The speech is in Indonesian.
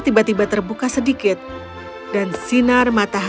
yang kedua e skole lainnya bukan sah